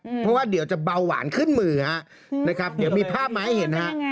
เพราะว่าเดี๋ยวจะเบาหวานขึ้นมือฮะนะครับเดี๋ยวมีภาพมาให้เห็นฮะ